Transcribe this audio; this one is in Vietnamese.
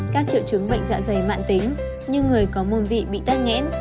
các triệu chứng bệnh dạ dày mạn tính như người có môn vị bị tắt nghẽn